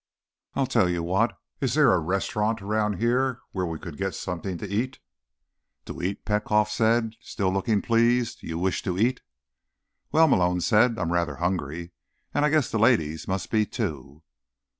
"I'll tell you what: is there a restaurant around here where we could get something to eat?" "To eat?" Petkoff said, still looking pleased. "You wish to eat?" "Well," Malone said, "I'm rather hungry, and I guess the ladies must be, too."